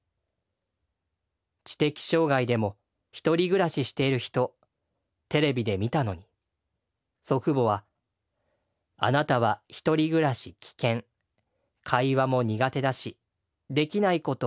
知的障害でも独り暮らししてる人テレビで見たのに祖父母はあなたは独り暮らし危険会話も苦手だしできない事多いからと。